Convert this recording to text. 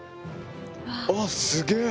あっすげえ。